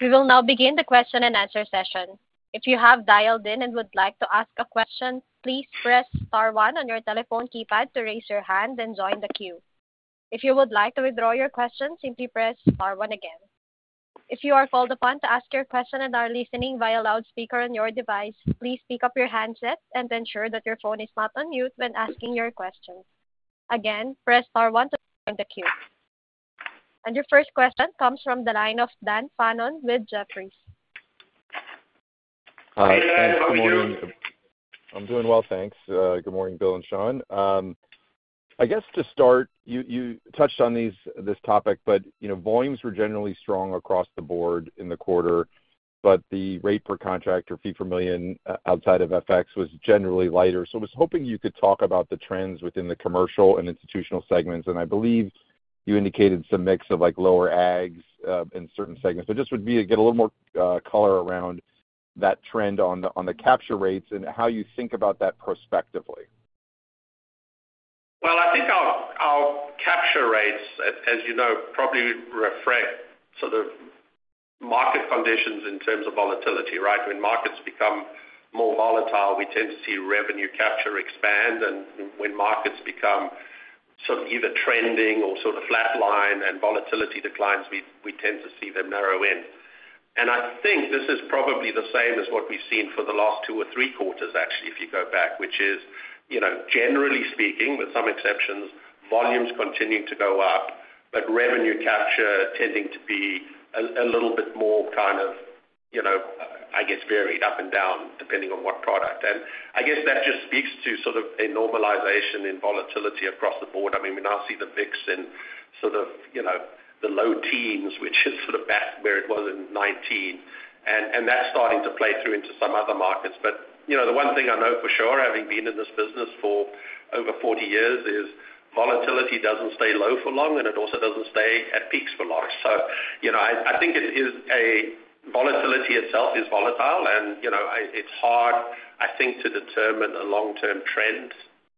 We will now begin the question-and-answer session. If you have dialed in and would like to ask a question, please press star 1 on your telephone keypad to raise your hand and join the queue. If you would like to withdraw your question, simply press star 1 again. If you are called upon to ask your question and are listening via loudspeaker on your device, please pick up your handset and ensure that your phone is not on mute when asking your question. Again, press star 1 to join the queue. Your first question comes from the line of Dan Fannon with Jefferies. Hi, Dan. How are you? Good morning. I'm doing well, thanks. Good morning, Bill and Sean. I guess to start, you touched on this topic, but volumes were generally strong across the board in the quarter, but the rate per contract or fee per million outside of FX was generally lighter. So I was hoping you could talk about the trends within the commercial and institutional segments, and I believe you indicated some mix of lower Ags in certain segments. But just would be to get a little more color around that trend on the capture rates and how you think about that prospectively. Well, I think our capture rates, as you know, probably reflect sort of market conditions in terms of volatility, right? When markets become more volatile, we tend to see revenue capture expand. And when markets become sort of either trending or sort of flatline and volatility declines, we tend to see them narrow in. And I think this is probably the same as what we've seen for the last two or three quarters, actually, if you go back, which is, generally speaking, with some exceptions, volumes continuing to go up but revenue capture tending to be a little bit more kind of, I guess, varied up and down depending on what product. And I guess that just speaks to sort of a normalization in volatility across the board. I mean, we now see the VIX in sort of the low teens, which is sort of back where it was in 2019. That's starting to play through into some other markets. But the one thing I know for sure, having been in this business for over 40 years, is volatility doesn't stay low for long, and it also doesn't stay at peaks for long. So I think volatility itself is volatile, and it's hard, I think, to determine a long-term trend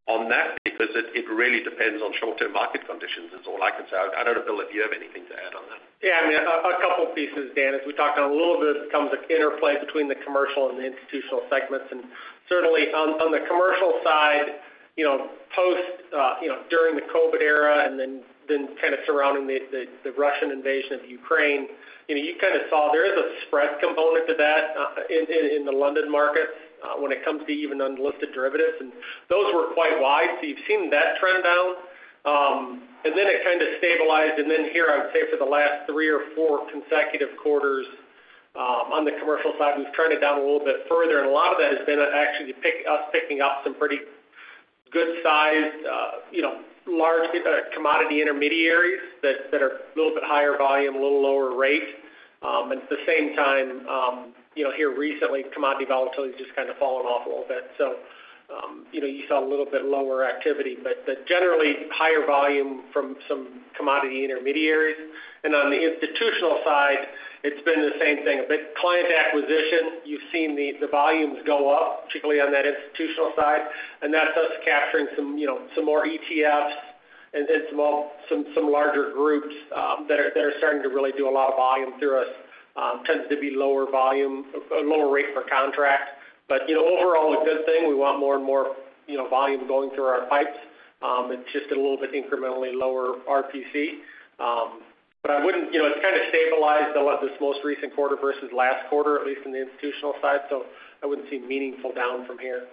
on that because it really depends on short-term market conditions, is all I can say. I don't know, Bill, if you have anything to add on that. Yeah. I mean, a couple of pieces, Dan. As we talked a little bit, it becomes an interplay between the commercial and the institutional segments. Certainly, on the commercial side, during the COVID era and then kind of surrounding the Russian invasion of Ukraine, you kind of saw there is a spread component to that in the London markets when it comes to even unlisted derivatives. Those were quite wide, so you've seen that trend down. Then it kind of stabilized. Then here, I would say for the last three or four consecutive quarters on the commercial side, we've trended down a little bit further. A lot of that has been actually us picking up some pretty good-sized, large commodity intermediaries that are a little bit higher volume, a little lower rate. And at the same time, here recently, commodity volatility's just kind of fallen off a little bit. So you saw a little bit lower activity, but generally higher volume from some commodity intermediaries. And on the institutional side, it's been the same thing. A bit client acquisition. You've seen the volumes go up, particularly on that institutional side. And that's us capturing some more ETFs and some larger groups that are starting to really do a lot of volume through us. Tends to be lower volume, lower rate per contract. But overall, a good thing. We want more and more volume going through our pipes. It's just a little bit incrementally lower RPC. But it's kind of stabilized this most recent quarter versus last quarter, at least in the institutional side. So I wouldn't see meaningful down from here.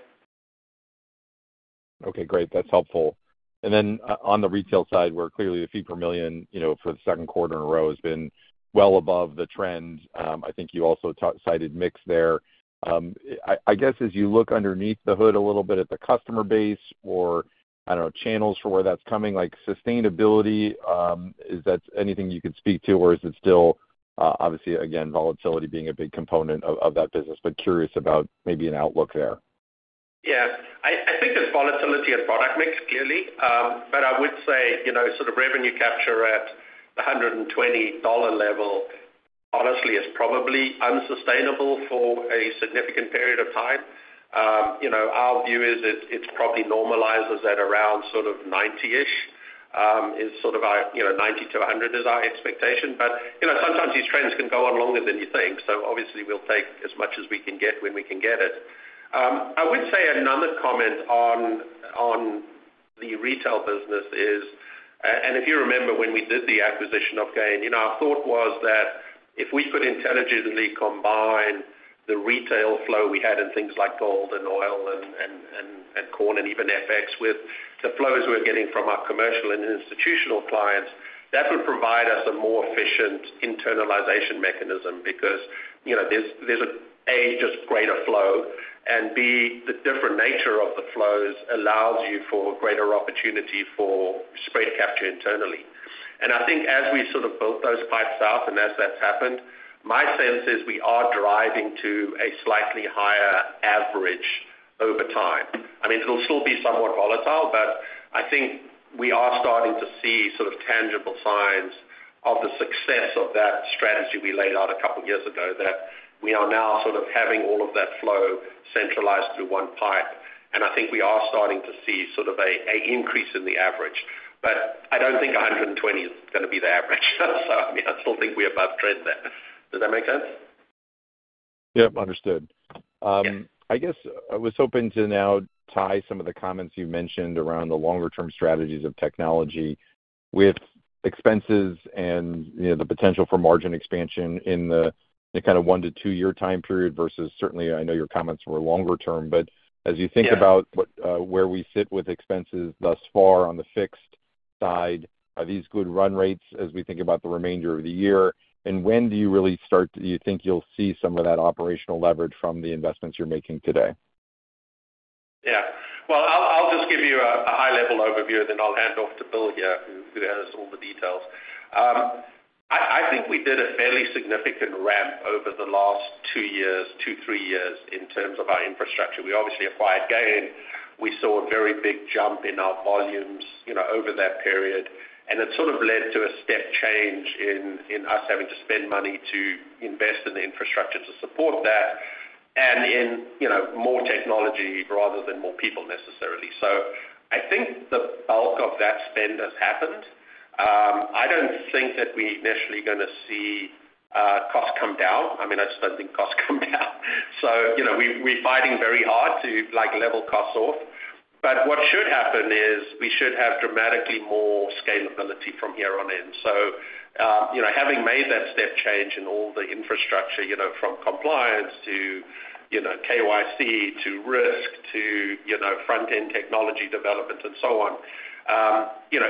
Okay. Great. That's helpful. And then on the retail side, where clearly the fee per million for the second quarter in a row has been well above the trend, I think you also cited mix there. I guess as you look underneath the hood a little bit at the customer base or, I don't know, channels for where that's coming, sustainability, is that anything you could speak to, or is it still obviously, again, volatility being a big component of that business? But curious about maybe an outlook there. Yeah. I think there's volatility at product mix, clearly. But I would say sort of revenue capture at the $120 level, honestly, is probably unsustainable for a significant period of time. Our view is it probably normalizes at around sort of 90-ish. Sort of 90-100 is our expectation. But sometimes these trends can go on longer than you think. So obviously, we'll take as much as we can get when we can get it. I would say another comment on the retail business is, and if you remember when we did the acquisition of GAIN, our thought was that if we could intelligently combine the retail flow we had in things like gold and oil and corn and even FX with the flows we were getting from our commercial and institutional clients, that would provide us a more efficient internalization mechanism because there's, A, just greater flow, and, B, the different nature of the flows allows you for greater opportunity for spread capture internally. And I think as we sort of built those pipes up and as that's happened, my sense is we are driving to a slightly higher average over time. I mean, it'll still be somewhat volatile, but I think we are starting to see sort of tangible signs of the success of that strategy we laid out a couple of years ago, that we are now sort of having all of that flow centralized through one pipe. I think we are starting to see sort of an increase in the average. But I don't think 120 is going to be the average. So I mean, I still think we're above trend there. Does that make sense? Yep. Understood. I guess I was hoping to now tie some of the comments you've mentioned around the longer-term strategies of technology with expenses and the potential for margin expansion in the kind of 1-2-year time period versus certainly, I know your comments were longer term. But as you think about where we sit with expenses thus far on the fixed side, are these good run rates as we think about the remainder of the year? And when do you really start, do you think, you'll see some of that operational leverage from the investments you're making today? Yeah. Well, I'll just give you a high-level overview, and then I'll hand off to Bill here, who has all the details. I think we did a fairly significant ramp over the last two years, two, three years in terms of our infrastructure. We obviously acquired Gain. We saw a very big jump in our volumes over that period. And it sort of led to a step change in us having to spend money to invest in the infrastructure to support that and in more technology rather than more people necessarily. So I think the bulk of that spend has happened. I don't think that we're initially going to see costs come down. I mean, I just don't think costs come down. So we're fighting very hard to level costs off. But what should happen is we should have dramatically more scalability from here on in. So having made that step change in all the infrastructure from compliance to KYC to risk to front-end technology development and so on,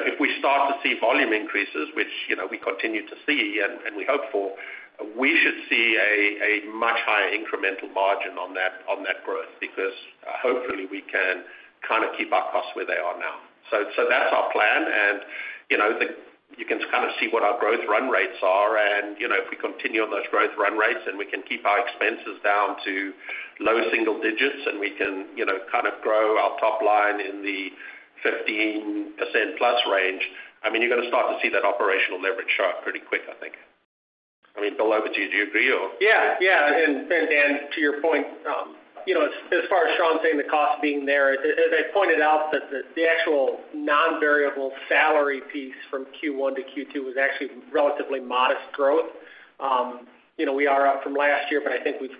if we start to see volume increases, which we continue to see and we hope for, we should see a much higher incremental margin on that growth because hopefully, we can kind of keep our costs where they are now. So that's our plan. And you can kind of see what our growth run rates are. And if we continue on those growth run rates and we can keep our expenses down to low single digits and we can kind of grow our top line in the 15%-plus range, I mean, you're going to start to see that operational leverage show up pretty quick, I think. I mean, Bill, over to you. Do you agree, or? Yeah. Yeah. And Dan, to your point, as far as Sean saying the costs being there, as I pointed out, the actual non-variable salary piece from Q1 to Q2 was actually relatively modest growth. We are up from last year, but I think we've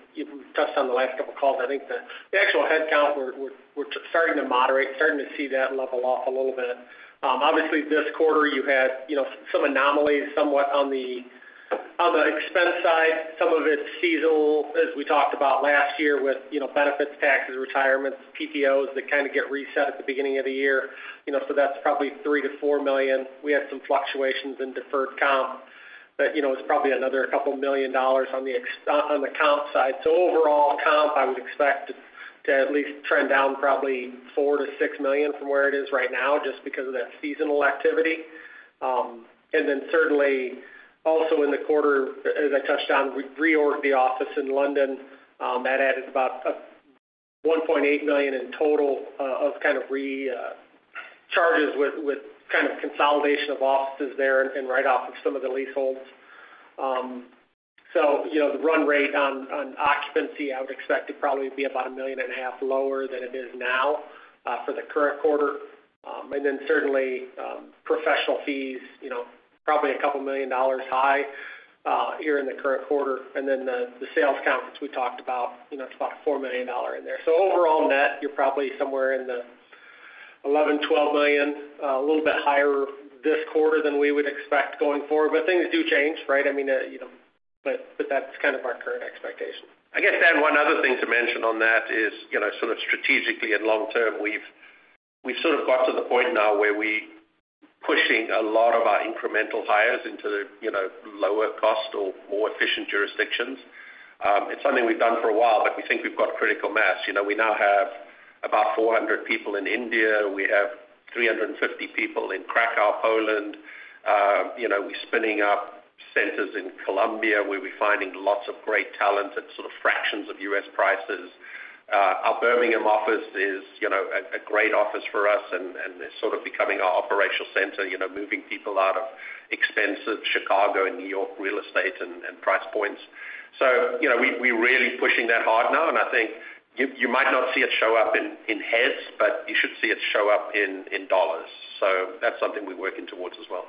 touched on the last couple of calls. I think the actual headcount, we're starting to moderate, starting to see that level off a little bit. Obviously, this quarter, you had some anomalies somewhat on the expense side. Some of it's seasonal, as we talked about last year with benefits, taxes, retirements, PTOs that kind of get reset at the beginning of the year. So that's probably $3 million-$4 million. We had some fluctuations in deferred comp, but it's probably another $2 million on the comp side. So overall comp, I would expect to at least trend down probably $4 million-$6 million from where it is right now just because of that seasonal activity. And then certainly, also in the quarter, as I touched on, we reorged the office in London. That added about $1.8 million in total of kind of recharges with kind of consolidation of offices there and write-off of some of the leaseholds. So the run rate on occupancy, I would expect it probably to be about $1.5 million lower than it is now for the current quarter. And then certainly, professional fees, probably $2 million high here in the current quarter. And then the sales conference we talked about, it's about $4 million in there. So overall net, you're probably somewhere in the $11 million-$12 million, a little bit higher this quarter than we would expect going forward. But things do change, right? I mean, but that's kind of our current expectation. I guess, Dan, one other thing to mention on that is sort of strategically and long-term, we've sort of got to the point now where we're pushing a lot of our incremental hires into the lower cost or more efficient jurisdictions. It's something we've done for a while, but we think we've got critical mass. We now have about 400 people in India. We have 350 people in Krakow, Poland. We're spinning up centers in Colombia where we're finding lots of great talent at sort of fractions of U.S. prices. Our Birmingham office is a great office for us, and it's sort of becoming our operational center, moving people out of expensive Chicago and New York real estate and price points. So we're really pushing that hard now. And I think you might not see it show up in heads, but you should see it show up in dollars. So that's something we're working towards as well.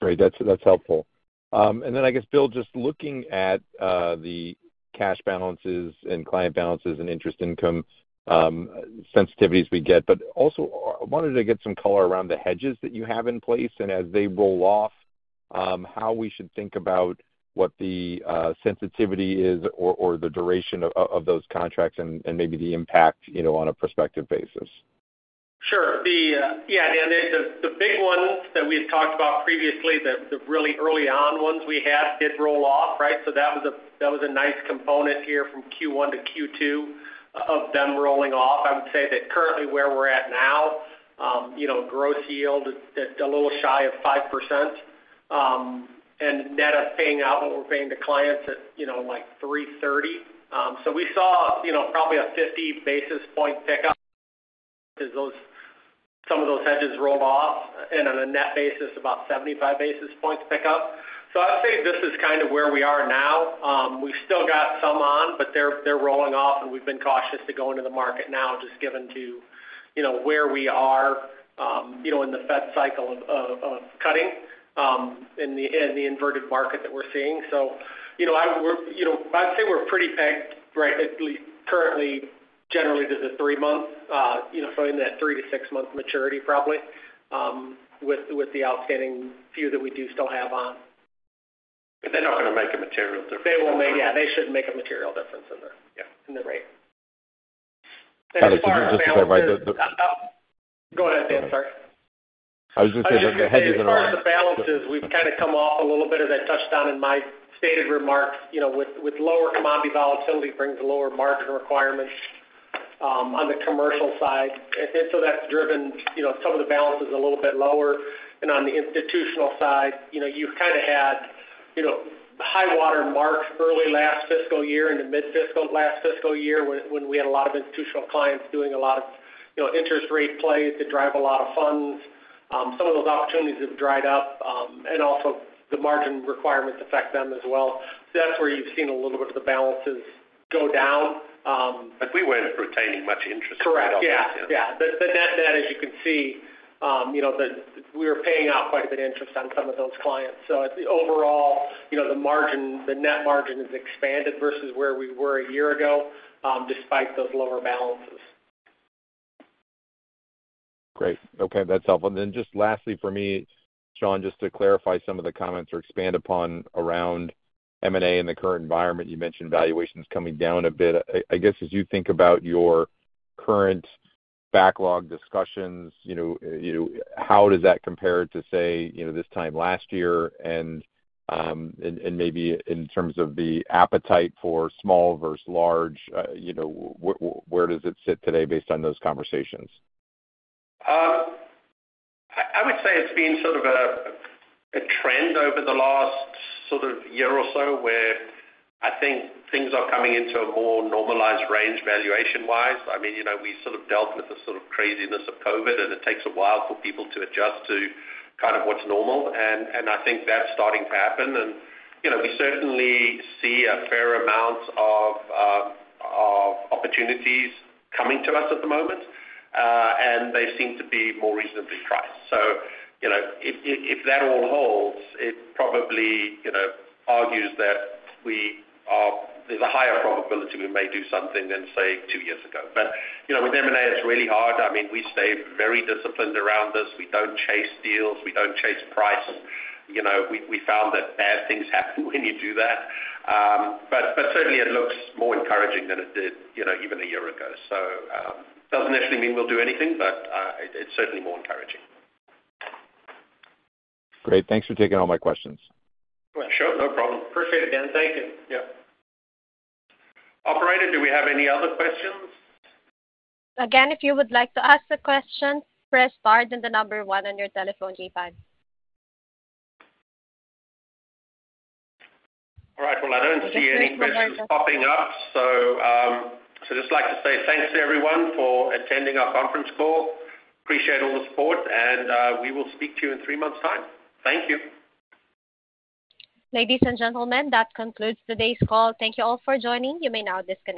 Great. That's helpful. Then I guess, Bill, just looking at the cash balances and client balances and interest income sensitivities we get, but also I wanted to get some color around the hedges that you have in place and as they roll off, how we should think about what the sensitivity is or the duration of those contracts and maybe the impact on a prospective basis. Sure. Yeah, Dan. The big ones that we had talked about previously, the really early-on ones we had, did roll off, right? So that was a nice component here from Q1 to Q2 of them rolling off. I would say that currently, where we're at now, gross yield, a little shy of 5% and net of paying out what we're paying to clients at like 330. So we saw probably a 50 basis point pickup as some of those hedges rolled off and on a net basis, about 75 basis points pickup. So I'd say this is kind of where we are now. We've still got some on, but they're rolling off. And we've been cautious to go into the market now just given to where we are in the Fed cycle of cutting and the inverted market that we're seeing. So I'd say we're pretty pegged, right, at least currently, generally to the three-month, so in that three to six month maturity probably with the outstanding few that we do still have on. But they're not going to make a material difference. They won't make. Yeah. They shouldn't make a material difference in the rate. Sorry. I was just going to clarify. Go ahead, Dan. Sorry. I was just going to say the hedges and all. As far as the balances, we've kind of come off a little bit, as I touched on in my stated remarks. With lower commodity volatility, it brings lower margin requirements on the commercial side. And so that's driven some of the balances a little bit lower. And on the institutional side, you've kind of had high-water marks early last fiscal year into mid-fiscal last fiscal year when we had a lot of institutional clients doing a lot of interest rate play to drive a lot of funds. Some of those opportunities have dried up, and also the margin requirements affect them as well. So that's where you've seen a little bit of the balances go down. But we weren't retaining much interest at all. Correct. Yes. Yeah. The net net, as you can see, we were paying out quite a bit of interest on some of those clients. So overall, the net margin has expanded versus where we were a year ago despite those lower balances. Great. Okay. That's helpful. And then just lastly for me, Sean, just to clarify some of the comments or expand upon around M&A in the current environment, you mentioned valuations coming down a bit. I guess as you think about your current backlog discussions, how does that compare to, say, this time last year? And maybe in terms of the appetite for small versus large, where does it sit today based on those conversations? I would say it's been sort of a trend over the last sort of year or so where I think things are coming into a more normalized range valuation-wise. I mean, we sort of dealt with the sort of craziness of COVID, and it takes a while for people to adjust to kind of what's normal. And I think that's starting to happen. And we certainly see a fair amount of opportunities coming to us at the moment, and they seem to be more reasonably priced. So if that all holds, it probably argues that there's a higher probability we may do something than, say, two years ago. But with M&A, it's really hard. I mean, we stay very disciplined around this. We don't chase deals. We don't chase price. We found that bad things happen when you do that. Certainly, it looks more encouraging than it did even a year ago. It doesn't necessarily mean we'll do anything, but it's certainly more encouraging. Great. Thanks for taking all my questions. Sure. No problem. Appreciate it, Dan. Thank you. Yeah. Operator, do we have any other questions? Again, if you would like to ask a question, press star and then 1 on your telephone keypad. All right. Well, I don't see any questions popping up. So I'd just like to say thanks to everyone for attending our conference call. Appreciate all the support, and we will speak to you in three months' time. Thank you. Ladies and gentlemen, that concludes today's call. Thank you all for joining. You may now disconnect.